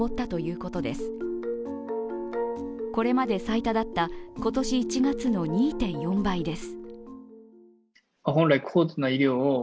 これまだ最多だった今年１月の２．４倍です。